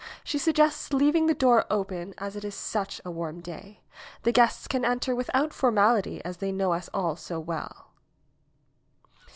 She sug gests leaving the door open, as it is such a warm day. The guests can enter without formality, as they know us all so well."